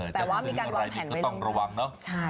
แต่ว่ามีการรวมแผนที่ต้องระวังนะ